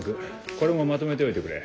これもまとめておいてくれ。